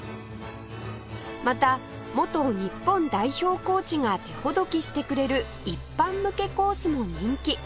また元日本代表コーチが手ほどきしてくれる一般向けコースも人気